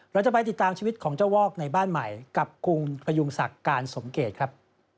เราจะไปติดตามชีวิตของเจ้าวอกในบ้านใหม่กับกรุงพยุงศักดิ์การสมเกตครับ